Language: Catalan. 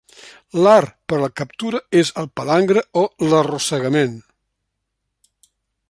L'art per a la captura és el palangre o l'arrossegament.